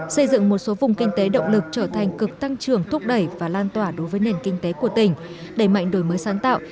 xây dựng một số vùng kinh tế động lực trở thành cực tăng trưởng thúc đẩy và lan tỏa đối với nền kinh tế của tỉnh đẩy mạnh đổi mới sáng tạo